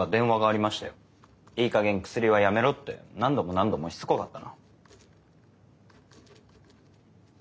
いいかげんクスリはやめろって何度も何度もしつこかったな。